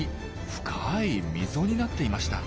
深い溝になっていました。